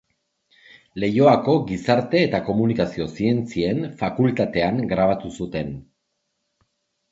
Leioako Gizarte eta Komunikazio Zientzien Fakultatean grabatu zuten.